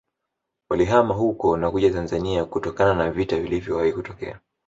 Walihama huko na kuja Tanzania kutokana na vita vilivyowahi kutokea